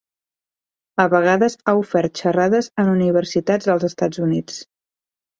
A vegades ha ofert xerrades en universitats dels Estats Units.